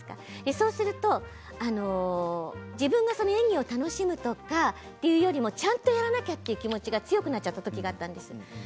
そうすると自分がその演技を楽しむとかというよりもちゃんとやらなくてはという気持ちが強くなってしまった時があったんです。